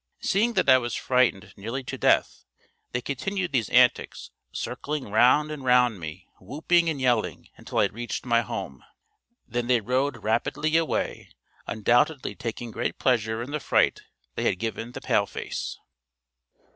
Seeing that I was frightened nearly to death they continued these antics, circling round, and round me, whooping and yelling, until I reached my home. Then they rode rapidly away undoubtedly taking great pleasure in the fright they had given the Paleface.